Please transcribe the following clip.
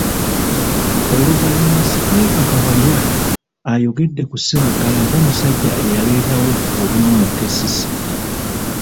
Oluvannyuma Sipiika Kawalya ayogedde ku Sebaggala ng'omusajja eyaleetawo obumu mu KCCA.